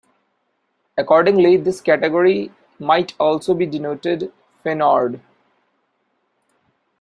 Accordingly, this category might also be denoted FinOrd.